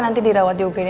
nanti dirawat di ugeda